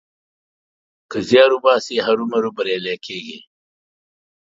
که زيار وباسې؛ هرو مرو بريالی کېږې.